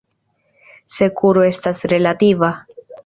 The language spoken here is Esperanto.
Sekuro estas relativa.